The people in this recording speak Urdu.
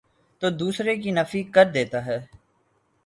تودوسرے کی نفی کردیتا ہے۔